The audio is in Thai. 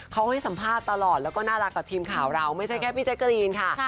เขาให้สัมภาษณ์ตลอดแล้วก็น่ารักกับทีมข่าวเราไม่ใช่แค่พี่แจ๊กกะรีนค่ะ